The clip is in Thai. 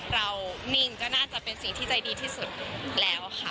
นิ่งก็น่าจะเป็นสิ่งที่ใจดีที่สุดแล้วค่ะ